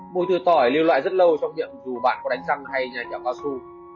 mùi từ tỏi lưu lại rất lâu trong miệng dù bạn có đánh răng hay nhảy nhảy cao su